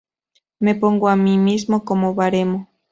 Me pongo a mí mismo como baremo".